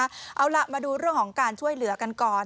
ด้วยเนี่ยนะคะเอาละมาดูเรื่องของการช่วยเหลือกันก่อน